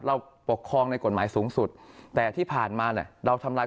เราปกครองในกฎหมายสูงสุดแต่ที่ผ่านมาเนี่ยเราทำลาย